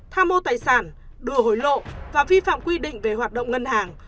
tham mô tài sản đưa hối lộ và vi phạm quy định về hoạt động ngân hàng